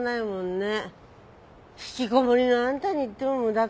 引きこもりのあんたに言っても無駄か。